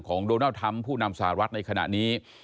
ของโดนัลด์ธรรมผู้นำสหรัฐในขณะนี้